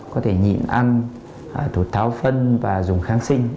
có thể nhịn ăn thuốc tháo phân và dùng kháng sinh